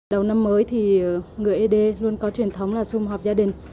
đầu năm mới thì người ế đê luôn có truyền thống là xung họp gia đình